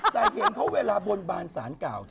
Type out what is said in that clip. แต่เห็นเขาเวลาบนบานสารเก่า